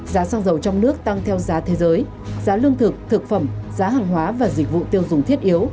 giá xăng dầu trong nước tăng theo giá thế giới giá lương thực thực phẩm giá hàng hóa và dịch vụ tiêu dùng thiết yếu